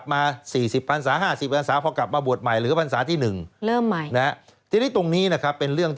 ฮ่าฮ่าฮ่าฮ่าฮ่า